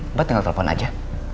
mbak tinggal telepon aja